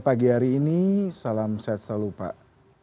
pagi hari ini salam sehat selalu pak